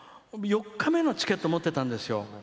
４日目のチケット持ってたんです。